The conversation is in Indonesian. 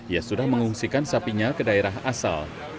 ia sudah mengungsikan sapinya ke daerah asal